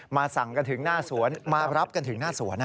สั่งกันถึงหน้าสวนมารับกันถึงหน้าสวน